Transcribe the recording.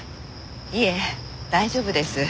いえ大丈夫です。